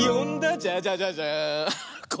ジャジャジャジャーン。